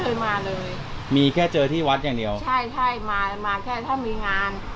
เคยมาเลยมีแค่เจอที่วัดอย่างเดียวใช่ใช่มามาแค่ถ้ามีงาน